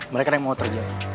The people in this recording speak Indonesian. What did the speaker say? mereka yang mau terjadi